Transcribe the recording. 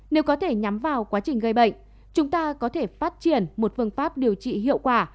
nếu có thể nhắm vào quá trình gây bệnh chúng ta có thể phát triển một phương pháp điều trị hiệu quả